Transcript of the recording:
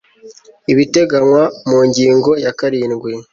ibiteganywa mu ngingo ya karindwi